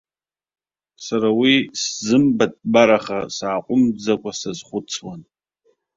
Сара уи сзымбатәбараха, сааҟәымҵӡакәа сазхәыцуан.